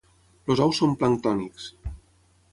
Els ous són planctònics.